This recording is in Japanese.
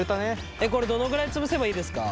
えっこれどのぐらいつぶせばいいですか？